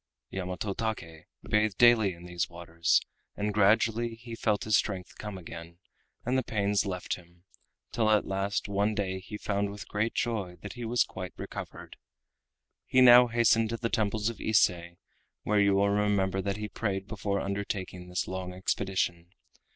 Yamato Take bathed daily in these waters, and gradually he felt his strength come again, and the pains left him, till at last one day he found with great joy that he was quite recovered. He now hastened to the temples of Ise, where you will remember that he prayed before undertaking this long expedition.